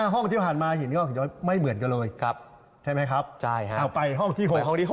๕ห้องที่ผ่านมาหินก็ไม่เหมือนกันเลยใช่ไหมครับเอาไปห้องที่๖